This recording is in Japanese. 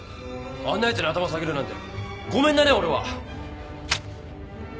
あんなヤツに頭下げるなんてごめんだね俺は！